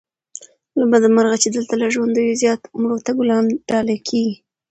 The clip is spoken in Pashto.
له بده مرغه چې دلته له ژوندیو زيات مړو ته ګلان ډالې کېږي